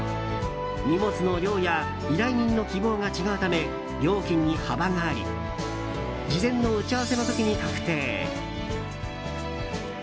荷物の量や依頼人の希望が違うため料金に幅があり事前の打ち合わせの時に確定。